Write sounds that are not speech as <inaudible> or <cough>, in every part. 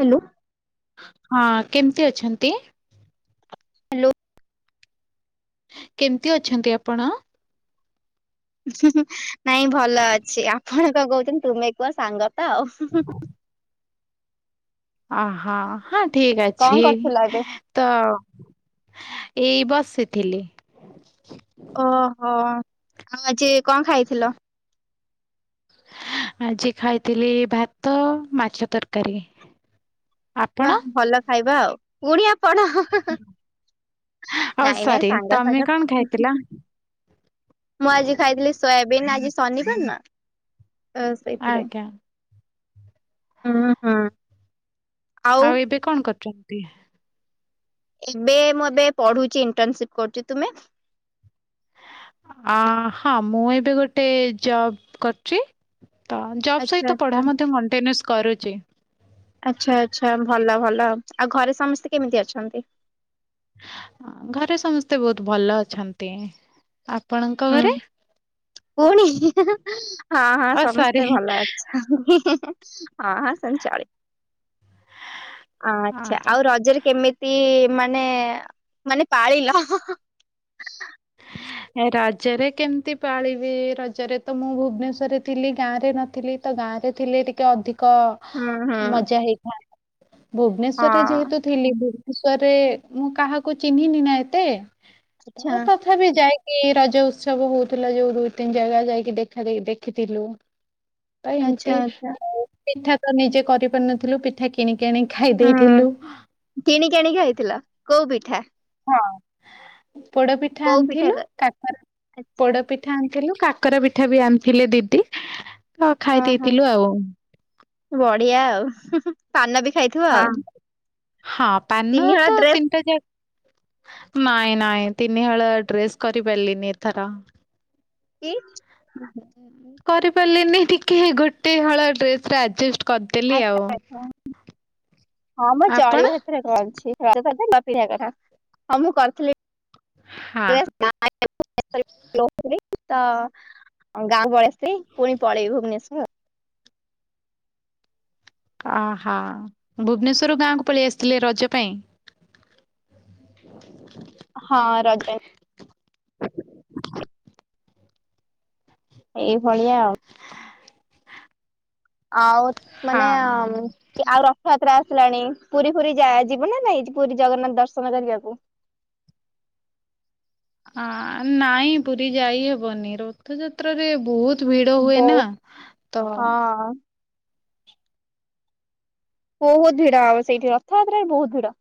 Hello. ହଁ କେମିତି ଅଛନ୍ତି? ହ୍ୟାଲୋ। କେମତି ଅଛନ୍ତି ଆପଣ? ହ <inaudible> ନାଇଁ ଭଲ ଅଛି ଆପଣ କଣ କରୁଛ ତୁମେ କୁହ ସାଙ୍ଗ। ତ। ଅ ହଁ ହଅ। ଠିକ କଣ ଅଛି କରୁଥିଲ ଏବେ? ତ। ଏଇ ବସିଥିଲି। ଓହୋ। ଆଉ ଆଜି କଣ ଖାଇଥିଲ? ଆଜି ଖାଇଥିଲି ଭାତ ମାଛ ତରକାରୀ। ଆପଣ? ବା ଭଲ। ଖାଇବା ଆଉ ପୁଣିଆ ଆପଣ ଓ ନାଇଁ ନାଇଁ ସରି ସାଙ୍ଗ ତମେ ସାଙ୍ଗ କଣ ଖାଇଥିଲ? ମୁଁ ଆଜି ଖାଇଥିଲି ସୋୟାବିନ୍ ଆଜି ଶନିବାର ନା। ସେଇଥି ପାଇଁ। ଆଜ୍ଞା। ହୁଁ ହୁଁ। ଆଉ ଏବେ କଣ କରୁଛ। ତି। ଏବେ ମୁଁ ଏବେ ପଢୁଛି ଇଣ୍ଟରନସିପ କରୁଛି ତୁମେ। ଆ ହଁ ମୁଁ ଏବେ ଗୋଟେ ଜବ କରୁଛି। ତ ଜବ୍ ଆଚ୍ଛା ସହିତ ପଢା ଆଚ୍ଛା ମଧ୍ୟ ମଣ୍ଟେନସ୍। କରୁଛି। ଆଚ୍ଛା ଆଛା ଭଲ ଭଲ ଆଉ ଘରେ ସମସ୍ତେ କେମିତି ଅଛନ୍ତି। ଘରେ ସମସ୍ତେ ବହୁତ ଭଲ ଅଛନ୍ତି। ଆପଣଙ୍କ ହୁଁ ଘରେ। ପୁଣି। ହଁ ହଁ ଓ ସରି ସମସ୍ତେ ଭଲ ଅଛ ହିଁ ହିଁ। ଏ <unintelligible> ହଁ ହଁ ସେମିତି ଚାଲେ ଆ ଆଛା ଆଉ ରଜରେ କେମିତି। ମାନେ ମାନେ ପାଳିଲ। ରଜରେ କେମିତି ପାଳିବି ରଜରେ ତ ମୁଁ ଭୁବନେଶ୍ଵରରେ ଥିଲି ଗାଁ ରେ ନଥିଲି ତ ଗାଁ ରେ ଥିଲେ ଟିକେ ଅଧିକ। ହୁଁ ହୁଁ କ ମଜା ହେଇଥାନ୍ତା। ହଁ ଭୁବନେଶ୍ୱରରେ ଯେହେତୁ ଆଚ୍ଛା ଥିଲି ଭୁ। ଭୁଷରେ ମୁଁ କାହାକୁ ଚିହ୍ନିନି ନା ଏତେ। ଆଛା ତ ତଥାପି ଯାଇକି ରଜ ଉତ୍ସବ ହଉଥିଲା ଯୋଉ ଦୁଇ ତିନି ଜାଗା ଯାଇକି ଦେଖା ଦେଖିଥିଲୁ ତ ଆଚ୍ଛା ଏମିତି ଆଚ୍ଛା ପିଠା ତ ନିଜେ କରି ପାରିନଥିଲୁ ପିଠା କିଣି ଆକିଣିି ହୁଁ କିଣିକି ଆଣିକି ଖାଇଥିଲ କୋଉ ପିଠା ହଁ ପୋଡପିଠା କୋଉ ପିଠା ଆଣିଥିଲୁ କ କାକରା ଆଚ୍ଛା ପୋଡପିଠା ଆଣିଥିଲୁ କାକରା ପିଠା ବି ଆଣିଥିଲେ ଦିଦି କା ତ ଖାଇ ଓହୋ ଦେଇଥିଲୁ ଆଉ ହୁଁ ହୁଁ ପାନ ବି ଖାଇଥିବ ହଁ ଆଉ ହଁ ପାନ ତିନି ହଳ ତ ଡ୍ରେସ ତିନଟା ଯା ନାଇଁ ନାଇଁ ତିନିହଳ ଡ୍ରେସ୍ କରିପାରିଲିନି ଏଥର କି ଉଁ ହୁଁ ହୁଁ <unintelligible> କରିପାରିଲେନି ଟିକେ ଗୋଟେ ହଳ ଡ୍ରେସ ଆଜେଷ୍ଟ କରିଦେଲି ଆଚ୍ଛା ଆଉ ଆଚ୍ଛା ହଁ ମ ଆପଣ? ଚଳିବ ସେଥିରେ କଣ ଅଛି ପିଧ କଥା ହଁ ମୁଁ କରିଥିଲି ହଁ। <unintelligible> ହ <unintelligible> ନେଶର ତ ଗାଁ ପଳେଇ ଆସିଚି ପୁଣି ପଳେଇବି ଭୁବନେଶ୍ଵର ଆହା ଭୁବନେଶ୍ଵର ଗାଁକୁ ପଳେଇ ଆସିଥିଲେ ରଜ ପାଇଁ ହଁ ରଜ ଏଇଭଳିଆ ଆଉ ଆଉ ମାନେ ହଁ। ଆଉ ରଥଯାତ୍ରା ହେଲାଣି ପୁରୀ ଫୁରୀ ଯା ଯିବୁ ନା ନାଇଁ ପୁରୀ ଜଗନ୍ନାଥ ଦର୍ଶନ କରିବାକୁ ହଁ ନାଇଁ ପୁରୀ ଯାଇହବନି ରଥଯାତ୍ରାରେ ବହୁତ ଭିଡ ହୁଏନା ବୋଉ ତ ହଁ ବହୁତ ଭିଡ ହବ ସେଇଠି ରଥଯାତ୍ରାରେ ବହୁତ ଭିଡ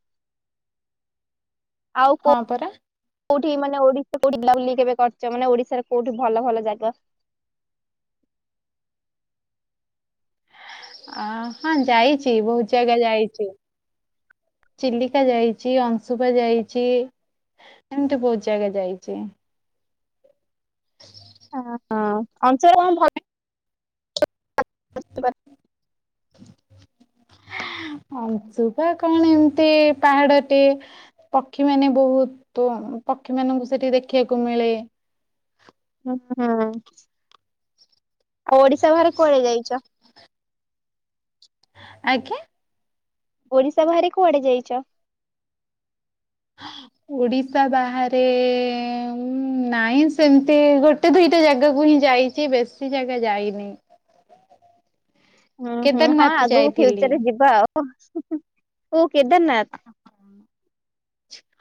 ଆଉ କୋଉ ହଁ ପରା କୋଉଠି ମାନେ ଓଡିଶା କୋଉଠି ବୁଲାବୁଲି କେବେ କରିଚ ମାନେ ଓଡିଶାର କୋଉଠି ଭଲ ଭଲ ଜାଗା ଅ ହଁ ଯାଇଛି ବହୁତ ଜାଗା ଯାଇଛି ଚିଲିକା ଯାଇଛି ଅଂଶୁପା ଯାଇଛି ଏମିତି ବହୁତ ଜାଗା ଯାଇଛି ହ ହଁ ଅନଂସ ଭଲ <unintelligible> ବସ୍ ବାସ୍ <unintelligible> ଅଂଶୁବା କଣ ଏମିତି ପାହାଡଟେ ପକ୍ଷୀ ମାନେ ବହୁତ ପକ୍ଷୀ ମାନଙ୍କୁ ସେଠି ଦେଖିବାକୁ ମିଳେ ହଁ ଓଡିଶା ବାହାରେ କୁଆଡେ ଯାଇଚ ଆଜ୍ଞା ଓଡିଶା ବାହାରେ କୁଆଡେ ଯାଇଛ ଓଡିଶା ବାହାରେ ନାଇଁ ସେମିତି ଗୋଟେ ଦୁଇଟା ଜାଗାକୁ ହିଁ ଯାଇଛି ବେଶୀ ଜାଗା ଯାଇନି ହୁଁ ହୁଁ ହଁ କେଦାରନାଥ ଆଗକୁ ଯାଇଥିଲି। ଫ୍ୟୁଚରରେ ଯିବା ଆଉ ଓ କେଦାରନାଥ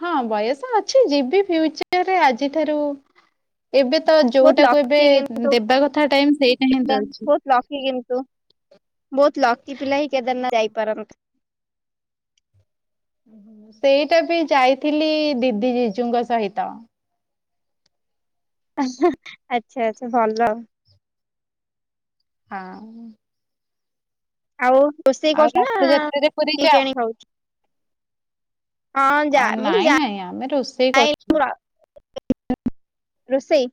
ହଁ ବୟସ ଅଛି ଯିବି ଫ୍ୟୁଚରରେ ଆଜିଠାରୁ ଏବେ ତ ବହୁତ ଯୋଉଟାକୁ ଏବେ ଲକି କିନ୍ତୁ ଦେବା କଥା ଟାଇମ ସେଇଟା ହିଁ ଦଉଚି ବହୁତ ଲକି କିନ୍ତୁ ବହୁତ ଲକି ପିଲା ହିଁ କେଦାରନାଥ ଯାଇପାରନ୍ତି ସେଇଟା ବି ଯାଇଥିଲି ଦିଦି ଜିଜୁଙ୍କ ସହିତ ଆଚ୍ଛା ଆଚ୍ଛା ଭଲ ହଁ ଆଉ ରୋଷେଇ ଆଉ କରୁଛୁ ନା ରଥଯାତ୍ରୀରେ ପୁରୀ କିଣିକି ଆଣି ଖାଉଛୁ? ହଁ ଯା ଯାଅ ମୁଁ ତ ନାଇଁ ନାଇଁ ଆମେ ରୋଷେଇ ଯାଏ କରୁଛୁ ରୋଷେଇ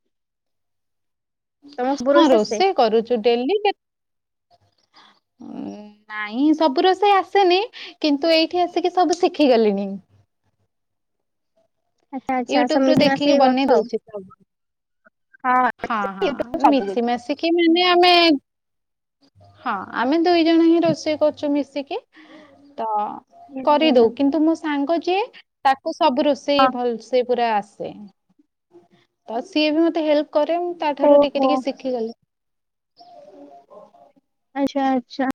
ତମକୁ ସବୁ ହଁ ଆସେ? ରୋଷେଇ କରୁଛୁ ଡେଲି ଉ ନାଇଁ ସବୁ ରୋସେଇ ଆସେନି କିନ୍ତୁ ଏଇଠି ଆସିକି ସବୁ ଶିଖିଗଲିଣି। ଆଚ୍ଛା ଆଚ୍ଛା ୟୁଟ୍ୟୁବରୁ ସେମିତି ଦେଖିକି ଆସିକି ବନେଇ ଦଉଛି ସବୁ। କରିଥାଉ ହଁ ହଁ। ହଁ ହଁ ମିଶିମାସିକି ମାନେ ଆମେ ହଁ ଆମେ ଦୁଇ ଜଣ ହିଁ ରୋଷେଇ କରୁଛୁ ମିଶି ଶିଖି ତ। ଦେଖେ। କରିଦଉ କିନ୍ତୁ ମୋ ସାଙ୍ଗ ଯେ ତାକୁ ସବୁ ରୋଷେଇ ହଁ ଭଲ ସେ ପୁରା ଆସେ। ସେ ତ ସିଏ ବି ମତେ ହେଲ୍ପ କରେ ମୁଁ ତାଠାରୁ ଟିକେ ଓହୋ ଟିକେ ଶିଖିଗଲି। ଆଚ୍ଛା ଆଚ୍ଛା।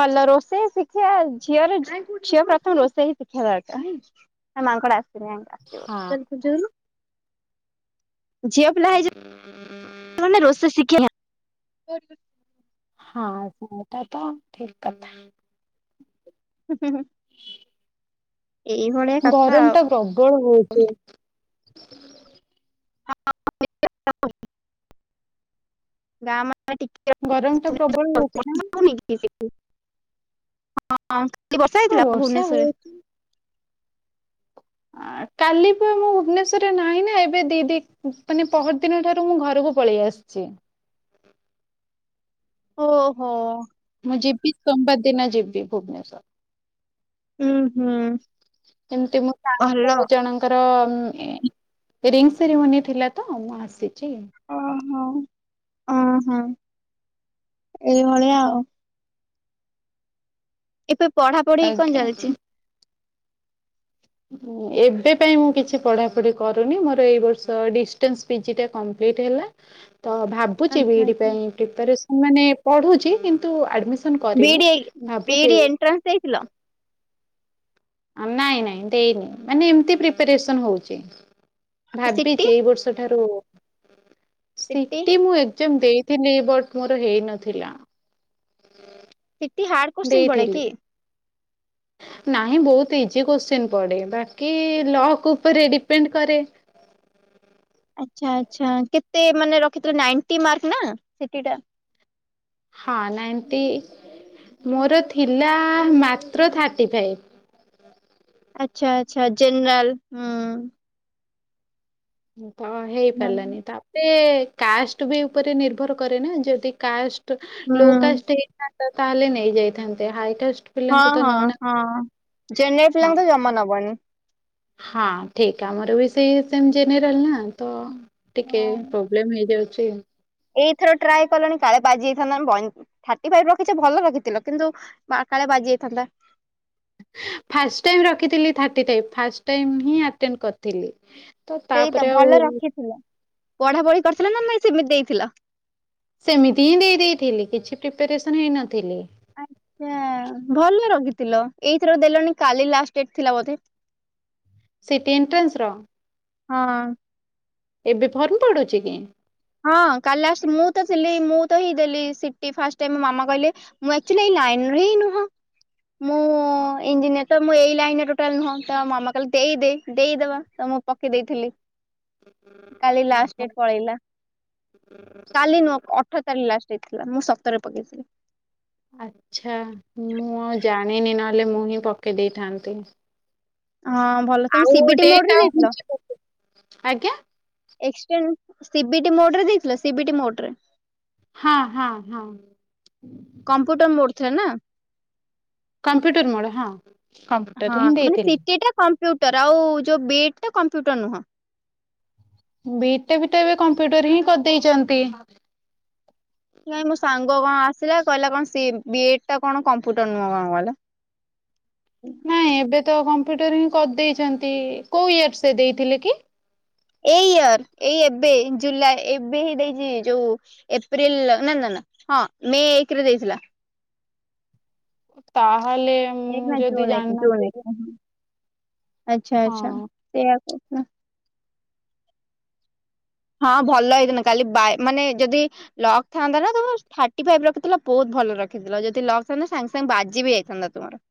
ଭଲ ରୋଷେଇ ଶିଖିବା ଝିଅର ଝିଅ ପ୍ରଥମେ ରୋଷେଇ ଶିଖିବା ଦରକାର ମାଙ୍କଡ ଆ ରାଙ୍କ ଆସିବ ହଁ <inaudible> ଝିଅପିଲା ହେଇଛ--ମାନେ ରୋସେଇ ଶିଖିବା <inaudible> ହଁ ସେଇଟା ତ ଠିକ୍ କଥା। ହୁ ହୁଁ ହୁ। ଗରମ ଟା ପ୍ରବଳ ହଉଚି। <unintelligible> ଗରମ ଟା ପ୍ରବଳ ହଉଚି ନା? ହୁଁ ହଁ ହଁ। କାଲି ବର୍ଷା ହଁ ହେଇଥିଲା ବର୍ଷା ଭୁବନେଶ୍ଵରରେ। ହଉଛି। କାଲି ପା ମୁଁ ଭୁବନେଶ୍ଵରରେ ନାହିଁ ନା ଏବେ ଦି ଦିନ ମାନେ ପହର ଦିନ ଠାରୁ ମୁଁ ଘରକୁ ପଳେଇ ଆସିଛି। ଓଃ ହୋ। ମୁଁ ଜିବି ସୋମବାର ଦିନ ଜିିବି ଭୁବନେଶ୍ଵର। ହୁଁ ହୁଁ। କେମିତି ମୁଁ ଚାଙ୍କ ଭଲ। ଜଣଙ୍କର ରିଙ୍ଗ ସେରିମୋନି ଥିଲା ତ ମୁଁ ଆସିି ଛି। ଓହୋ। ଓହୋ ଏଇଭଳିଆ ଆଉ। ଏବେ ପଢା ପଢିି କଣ ଆଜ୍ଞା। ଚାଲିଛି। ଏବେ ପାଇଁ ମୁଁ କିଛି ପଢାପଢି କରୁନି ମୋର ଏଇ ବର୍ଷ ଡିଷ୍ଟାନ୍ସ ପି ଜି ଟା କଂପ୍ଲିଟ୍ ହେଲା। ତ ଭାବୁଛି ଆଚ୍ଛା ବି ଇ ଡି ଆଚ୍ଛା। ପାଇଁ ପ୍ରିପାରେସନ୍ ମାନେ ପଢୁଛି କିନ୍ତୁ ଆଡମିସନ୍ ବିଇଡି ବିଇଡି ଏଣ୍ଟ୍ରାନ୍ସ ଦେଇଥିଲ। ଆ ନାଇଁ ନାଇଁ ଦେଇନି ମାନେ ଏମିତି ପ୍ରିପାରେସନ ହଉଛି। ସିଟି ଭାବିଛି ଏଇ ବର୍ଷ ଠାରୁ ସିଟି ସିଟିି ମୁଁ ଏଗଜାମ୍ ଦେଇ ଥିଲି ବଟ୍ ମୋର ହେଇ ନଥିଲା। ସିଟି ହାର୍ଡ କୋତ୍ସିନ ପଡ଼େ କି? ନାଇଁ ବହୁତ ଇଜି କ୍ଵଶ୍ଚିନ୍ ପଡେ ।ବାକି ଲକ୍ ଉପରେ ଡିପେଣ୍ଡ କରେ। ଆଛା ଆଛା କେତେ ମାନେ ରଖିଥିଲେ ନାଇଣ୍ଟୀ ମାର୍କ ନା ସିଟି ଟା। ହଁ ନାଇଣ୍ଟି ମୋର ଥିଲା ମାତ୍ର ଥାର୍ଟି ଫାଇଭ୍। ଆଛା ଆଛା ଜେନେରାଲ ହୁଁ। ତ ହଁ। ହେଇପାରିଲାନି ତାପରେ କାଷ୍ଟ ବି ଉପରେ ନିର୍ଭର କରେ। ନା ଯଦି କାଷ୍ଟ ତ ହୁଁ ଲୋକାଷ୍ଟ ହେଇଥାନ୍ ତ ତାହେଲେ ନେଇଯାଇଥାନ୍ତେ ହାଇ କାଷ୍ଟ ହଁ ପିଲାଙ୍କୁ ତ ହଁ ନଉନାହାନ୍ତି। ହଁ ଜେନେରାଲ ହଁ ପିଲାଙ୍କୁ ତ ଜମା ନବନି। ହଁ ଠିକ ଆମର ବି ସେଇ ସେମ ଜେନେରଲ ନା ତ ଟିକେ ହଁ। ପ୍ରୋବ୍ଲେମ୍ ହେଇଯାଉଛି। ଚିନ୍ ଏଇଥର ଟ୍ରାଏ କଲନି କାଳେ ବାଜିଯାଇଥାନ୍ତା। ବଇଁ ଥାର୍ଟିଫାଇଭ ରଖିଛ ଭଲ ରଖିଥିଲ। କିନ୍ତୁ କ କାଳେ ବାଜି ଯାଇଥାନ୍ତା। ଫାଷ୍ଟ ଟାଇମ ରଖିଥିଲି ଥାର୍ଟୀଫାଇଭ ଫାଷ୍ଟ ଟାଇମ୍ ହିଁ ଆଟେନ୍ କରିଥିଲି। ତ ତାପରେ ଆଉ। ପଢା ପଢି କରିଥିଲା ନା ନାଇଁ ସେମିତି ଦେଇଥିଲ। ସେମିତି ହିଁ ଦେଇ ଦେଇଥିଲି କିଛି ପ୍ରିପାରେସନ ହେଇନଥିଲି। ଆଚ୍ଛା ଭଲ ରଖିଥିଲ ଏଇଥର ଦେଲଣି କାଲି ଲାଷ୍ଟ ଡେଟ ଥିଲା ବୋଧେ। ସିଟି ଏଣ୍ଟ୍ରେନ୍ସ ର। ହଁ। ଏବେ ଫର୍ମ ପଡୁଛି କି। ହଁ କାଲି ଆସ ମୁଁ ତ ଥିଲି ମୁଁ ତ ହିଁ ଦେଲି ସିଟି ଫାଷ୍ଟ ଟାଇମ୍ ମାମା କହିଲେ ମୁଁ ଏକ୍ଟୁଆଲି ଏଇ ଲାଇନର ହିଁ ନୁହଁ। ମୁଁ ଇଜିନିୟର ତ ଏଇ ଲାଇନରେ ଟୋଟାଲ ନୁହଁ। ତ ମାମା କହିଲ ଦେଇଦେ ଦେଇଦବା ମୁଁ ପକେଇ ଦେଇଥିଲି। କାଲି ଲାଷ୍ଟ ଡେଟ୍ ପଳେଇଲା। କାଲି ନୁହଁ ଅଠର ତାରିଖ। ଲାଷ୍ଟ ଡେଟ୍ ଥିଲା ମୁଁ ସତରରେ ପକେଇଥିଲି। ଆଛା ମୁଁ ଆଉ ଜାଣିନି ନହେଲେ ମୁଁ ହିଁ ପକେଇ ଦେଇଥାନ୍ତି। ହଁ ଭଲ ତମେ ଆଉ ସିବିଟି ମୋଡ ରେ ଡେଟ୍ ଆଉ ଦେଇଥିଲ ଘୁଞ୍ଚିବକି ଆଜ୍ଞା। ଏକ୍ସଟେନ୍ ସିବିଟି ମୋଡରେ ଦେଇଥିଲ ସିବିଟି ମୋଟରେ। ହଁ ହଁ ହଁ। କମ୍ପ୍ୟୁଟର ମୋଡଥେନା। କମ୍ପ୍ୟୁଟର ମୋର ହଁ ହଁ କମ୍ପ୍ୟୁଟର ହି ମାନେ ଦେଇଥିଲି। ସିଟି ଟା କମ୍ପ୍ୟୁଟର ଆଉ ଯୋଉ ବି ଇ ଡି ଟା କମ୍ପ୍ୟୁଟର ନୁହଁ। ବି ଇ ଡି ତ ଏବେ କମ୍ପ୍ୟୁଟର ହିଁ କରିଦେଇଛନ୍ତି। ନାହି ମୋ ସାଙ୍ଗ କଣ ଆସିଲା କହିଲା କଣ ସିଏ ବି ଏ ଡ ଟା କଣ କମ୍ପୁଟର ନୁହ କଣ କ ନାଇଁ ଏବେ। ତ କମ୍ପ୍ୟୁଟର ହିଁ କରିଦେଇଛନ୍ତି। କୋଉ ୟ ସେ ଦେଇଥିଲେ କି? ଏଇ ଇୟର ଏଇ ଏବେ ଜୁଲାଇ ଏବେ ହିଁ ଦେଇଛି ଯୋଉ ଏପ୍ରିଲ ନା ନା ହଁ ମେ ଏକରେ ଦେଇଥିଲା। ତା। ତାହେଲେ ମୁଁ ଏକ ନା ଯଦି ଜୁନ ଏକ ଜୁନ ଜାଣିନଥିଲି। ଏକ ଆଚ୍ଛା ଆଚ୍ଛା ସେ ହଁ ଭଲ ହେଇଥାନ୍ତା କାଲି ବାଏ ମାନେ ଯଦି ଲକ୍ ଥାନ୍ତା ନା ତମ ଥାର୍ଟି ଫାଇବ ରଖିଥିଲ ବହୁତ ଭଲ ରଖିଥିଲ ଯଦି ଲକ୍ ଥାନ୍ତା ସାଙ୍ଗେ ସାଙ୍ଗେ ବାଜି ବି ଯାଇଥାନ୍ତା ତମର।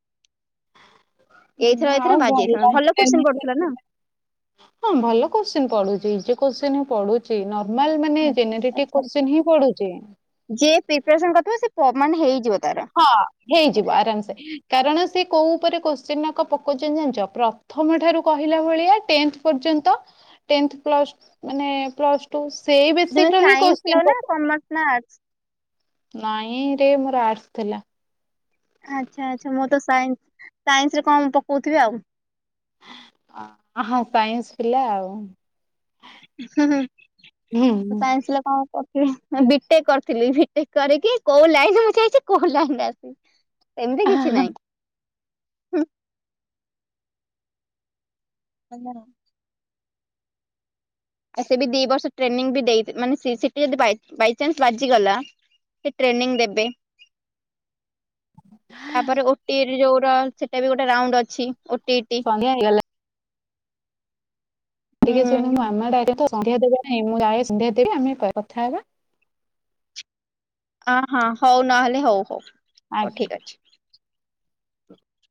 ଏଇଥର ଆଉ ଏଇଥର ଭଲ ବାଜି ହଁ ଭଲ ଯାଇଥାନ୍ତା କ୍ୱେଷ୍ଟିଅନ୍ କୋଶ୍ଚିନ୍ ପଡୁଥିଲା ପଡୁଛି। ନା। ପଡୁଛି ନଚେତ୍। ନର୍ମାଲ ମାନେ ଜେନେରେତିକ ଆଚ୍ଛା ଆଚ୍ଛା କ୍ୱେଷ୍ଟେସନ୍ ହିଁ ପଡୁଛି। ଯିଏ ପ୍ରିପାରେସନ କରିଥିବ ସେ ମାନେ ହେଇଯିବ। ତାର। ହଁ ହେଇଯିବ ଆରାମ ସେ କାରଣ ସେ କୋଉ ଉପରେ କ ସେନାକ ପୋକଚନ ଜାଣିଛ ପ୍ରଥମ ଠାରୁ କହିଲା ଭଳିଆ ଟେନ୍ଥ ପର୍ଯ୍ୟନ୍ତ ଟେନ୍ଥ ପ୍ଲସ୍ ମାନେ ପ୍ଲସ୍ ଟୁ ସେଇ ତୁମେ ବେସିକ ର ହିଁ ସାଇନ୍ସ କୋଶ୍ଚିନ୍ ନବ ନା କମର୍ସ ନା ଆର୍ଟସ। ନାଇଁ ରେ ମୋର ଆର୍ଟ୍ସ ଥିଲା। ଆଚ୍ଛା ଆଚ୍ଛା ମୁଁ ତ ସାଇନ୍ସ, ସାଇନ୍ସ ରେ କଣ ପକଉଥିବି ଆଉ। ଅଁ, ହଁ ସାଇନ୍ସ ପିଲା ଆଉ। ହୁଁ, ହୁଁ, ହୁଁ ତ ହୁଁ। ସାଇନ୍ସ ଥିଲା କଣ କର <unintelligible> ମୁଁ ବିଟେକ୍ କରିଥିଲି। ବିଟେକ୍ କରିକି କୋଉ ଲାଇନ୍ ରେ ମୁଁ ଯାଇଚି କୋଉ ଲାଇନ୍ ରେ ଆସି ଏମିତି କିଛି ଆହା, ନାଇଁ। ଉଁ, <unintelligible> ଆ ସେ ବି ଦି ବର୍ଷ ଟ୍ରେନିଂ ବି ଦେଇ ମାନେ ସି-ସିଟି ଯଦି ବାଇ ବାଇଚାନ୍ସ ବାଜିଗଲା। ସେ ଟ୍ରେନିଂ ଦେବେ। ତାପରେ ଓଟିଇଟି ଯୋଉ ର ସେଟା ବି ଗୋଟେ ରାଉଣ୍ଡ ଅଛି। ଓ ସନ୍ଧ୍ୟା ହେଇଗଲା। ଟିକେ ଶୁଣୁ ହୁଁ। ମାମା ଡାକେ ତ ସନ୍ଧ୍ୟା ଦେବା। ନାଇଁ ମୁଁ ଯାଏ ସନ୍ଧ୍ୟା ଦେବି। ଆମେ ପରେ କଥା ହବା। ଅଁ, ହଁ ହଉ ନହେଲେ ହଉ ହଉ। ହଉ ଆଜ୍ଞା। ଠିକ ଅଛି।